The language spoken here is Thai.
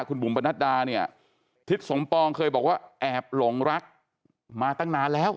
คุณบุ๋มประนัดดาเนี่ยทิศสมปองเคยบอกว่าแอบหลงรักมาตั้งนานแล้ว